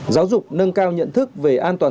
giáo dục nâng cao nhận thức về an toàn